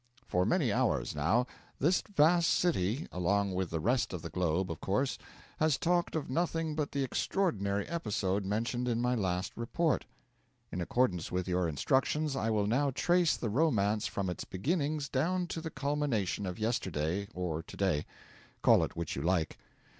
For many hours now, this vast city along with the rest of the globe, of course has talked of nothing but the extraordinary episode mentioned in my last report. In accordance with your instructions, I will now trace the romance from its beginnings down to the culmination of yesterday or today; call it which you like.